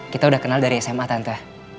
kita udah kenal dari sma tante